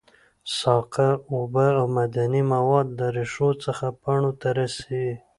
ساقه اوبه او معدني مواد له ریښو څخه پاڼو ته رسوي